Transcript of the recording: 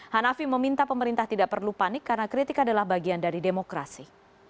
hanafi meminta pemerintah tidak perlu panik karena kritik adalah bagian dari demokrasi